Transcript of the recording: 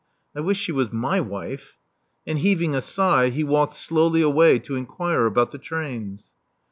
I wish she was my wife.*' And heaving a sigh, he walked slowly away to inquire about the trains.